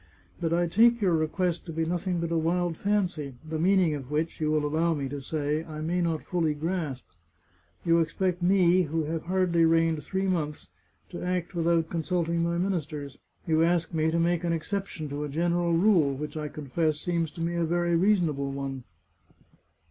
But I take your request to be nothing but a wild fancy, the meaning of which, you will allow me to say, I may not fully grasp. You expect me, who have hardly reigned three months, to act without consulting my minis ters. You ask me to make an exception to a general rule, which, I confess, seems to me a very reasonable one.